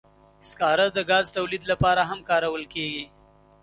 سکاره د ګاز تولید لپاره هم کارول کېږي.